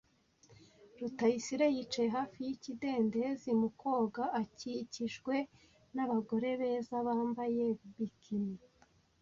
Rutayisire yicaye hafi yikidendezi mu koga, akikijwe n’abagore beza bambaye bikini.